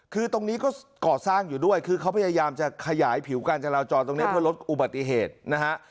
คือตรงนี้ก็ก่อสร้างอยู่ด้วยคือเขาพยายามจะขยายผิวการจราจรตรงนี้เพื่อลดอุบัติเหตุนะฮะ